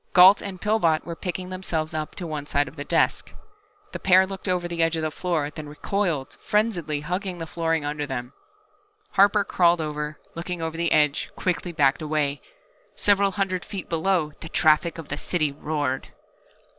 Gault and Pillbot were picking themselves up to one side of the desk. The pair looked over the edge of the floor, then recoiled, frenziedly hugging the flooring under them. Harper crawled over, looked over the edge, quickly backed away. Several hundred feet below, the traffic of the city roared!